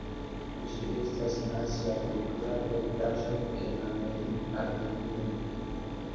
Ĝi estas nacia kultura heredaĵo en Armenio.